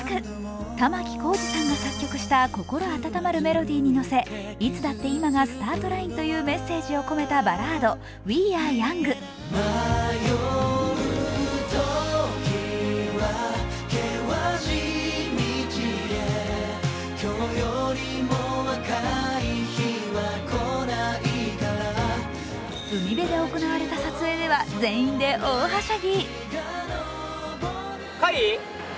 玉置浩二さんが作曲した心温まるメロディーに乗せいつだって今がスタートラインというメッセージを込めたバラード「Ｗｅａｒｅｙｏｕｎｇ」。海辺で行われた撮影では全員でおおはしゃぎ。